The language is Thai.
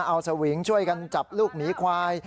เอาสวิงช่วยกันจับลูกหมีควาย